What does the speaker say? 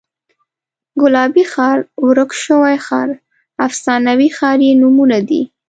ګلابي ښار، ورک شوی ښار، افسانوي ښار یې نومونه دي.